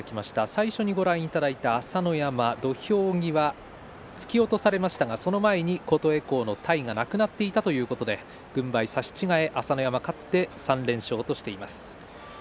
最初にご覧いただいた朝乃山土俵際、突き落とされましたがその前に琴恵光の体がなくなっていたということで軍配差し違え朝乃山勝って３連勝としています。